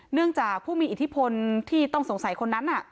เนื่องจากผู้มีอิทธิพลที่ต้องสงสัยคนนั้น